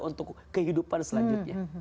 untuk kehidupan selanjutnya